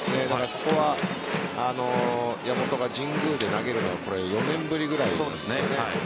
そこは山本が神宮で投げるのが４年ぶりぐらいですよね。